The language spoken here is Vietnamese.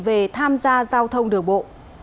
về tham gia giao thông đường bộ